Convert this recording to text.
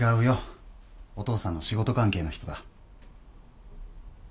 お父さんの仕事関係の人だ。